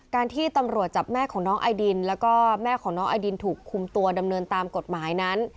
ที่ตำรวจจับแม่ของน้องไอดินแล้วก็แม่ของน้องไอดินถูกคุมตัวดำเนินตามกฎหมายนั้น